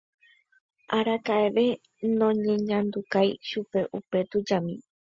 Araka'eve noñeñandukái chupe upe tujami.